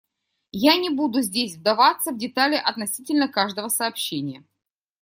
Я не буду здесь вдаваться в детали относительно каждого сообщения.